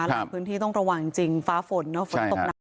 หลายพื้นที่ต้องระวังจริงฟ้าฝนฝนตกหนัก